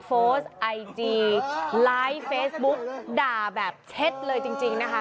โพสต์ไอจีไลฟ์เฟซบุ๊กด่าแบบเช็ดเลยจริงนะคะ